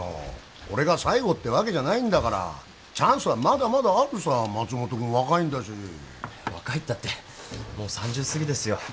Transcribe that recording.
これが最後ってわけじゃないんだからチャンスはまだまだあるさ松本君若いんだし若いったってもう３０すぎですよ